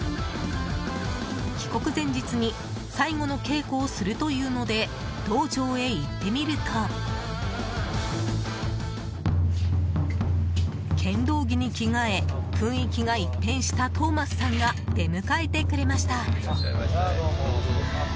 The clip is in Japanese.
帰国前日に最後の稽古をするというので道場へ行ってみると剣道着に着替え雰囲気が一変したトーマスさんが出迎えてくれました。